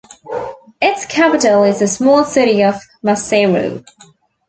Its capital is the small city of Maseru.